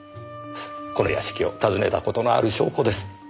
この屋敷を訪ねた事のある証拠です。